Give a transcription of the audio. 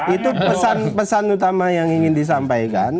itu pesan pesan utama yang ingin disampaikan